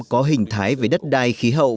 có hình thái với đất đai khí hậu